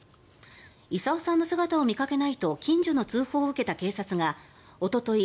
功さんの姿を見かけないと近所の通報を受けた警察がおととい